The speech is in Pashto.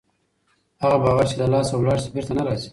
هغه باور چې له لاسه ولاړ سي بېرته نه راځي.